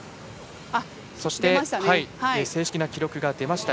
そして正式な記録が出ました。